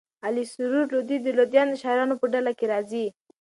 علي سرور لودي د لودیانو د شاعرانو په ډله کښي راځي.